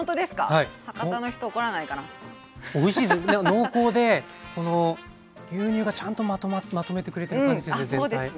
濃厚でこの牛乳がちゃんとまとめてくれてる感じしてて全体。